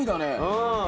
うん。